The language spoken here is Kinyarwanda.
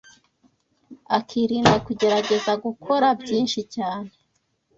akirinda kugerageza gukora byinshi cyane